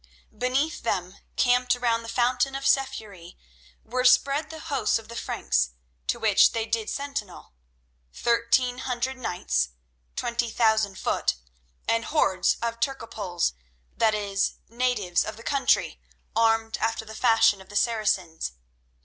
Beneath them, camped around the fountain of Seffurieh, were spread the hosts of the Franks to which they did sentinel; thirteen hundred knights, twenty thousand foot, and hordes of Turcopoles—that is, natives of the country, armed after the fashion of the Saracens.